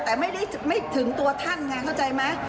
แต่ไม่ถึงตัวท่านไงเข้าใจไหม